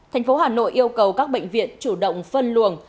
thành phố hà nội yêu cầu các bệnh viện chủ động phân luồng